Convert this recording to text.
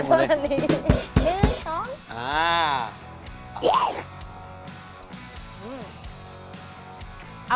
หนึ่งสองอ่า